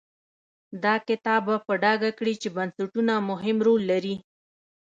دا کتاب به په ډاګه کړي چې بنسټونه مهم رول لري.